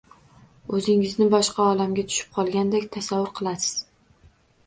O‘zingizni boshqa olamga tushib qolganday tasavvur qilasiz.